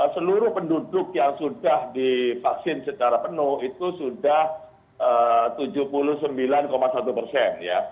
seluruh penduduk yang sudah divaksin secara penuh itu sudah tujuh puluh sembilan satu persen